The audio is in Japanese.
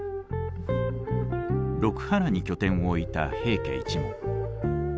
六波羅に拠点を置いた平家一門。